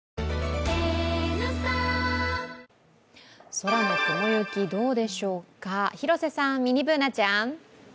空の雲行きどうでしょうか広瀬さん、ミニＢｏｏｎａちゃん。